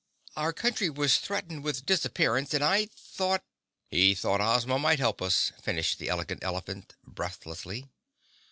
"Our country was threatened with disappearance and I thought—" "He thought Ozma might help us," finished the Elegant Elephant breathlessly.